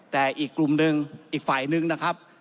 แต่อีกกลุ่มหนึ่งอีกฝ่ายนึงนะครับ